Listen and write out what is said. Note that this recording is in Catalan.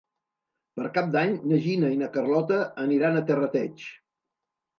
Per Cap d'Any na Gina i na Carlota aniran a Terrateig.